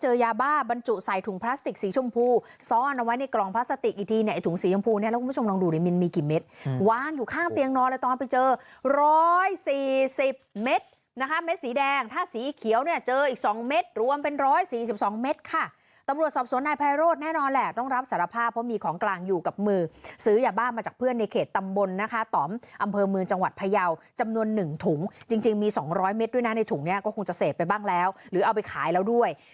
เจอยาบ้าบรรจุใส่ถุงพลาสติกสีชมพูซ่อนเอาไว้ในกลองพลาสติกอีกทีเนี่ยถุงสีชมพูเนี่ยแล้วคุณผู้ชมลองดูในมินมีกี่เม็ดอืมวางอยู่ข้างเตียงนอนเลยตอนไปเจอร้อยสี่สิบเม็ดนะคะเม็ดสีแดงถ้าสีเขียวเนี่ยเจออีกสองเม็ดรวมเป็นร้อยสี่สิบสองเม็ดค่ะตำรวจสอบสวนในพยาโร